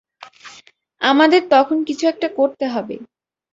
আমাদের তখন কিছু একটা করতে হবে।